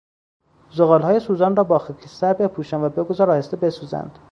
زغالهای سوزان را با خاکستر بپوشان و بگذار آهسته بسوزند.